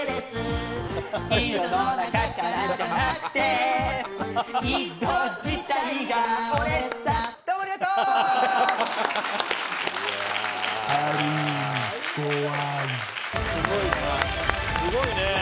すごいね。